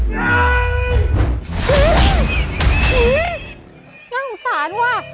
งั้งสานว่ะ